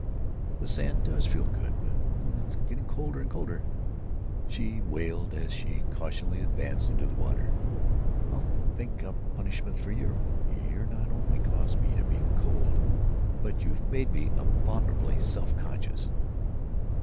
"The sand does feel good, but uh! it's getting colder and colder!" she wailed, as she cautiously advanced into the water. "I'll think up punishments for you. You've not only caused me to be cold, but you've made me abominably self conscious."